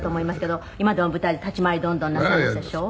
「今でも舞台で立ち回りどんどんなさいますでしょ？」